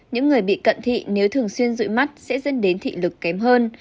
những người bị cận thị nếu thường xuyên rụi mắt sẽ dẫn đến thị lực kém hơn